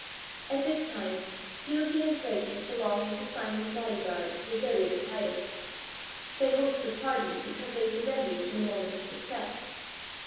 At this time two of the insurgents belonging to Simon's body guard deserted to Titus. They hoped for pardon because they surrendered in a moment of success.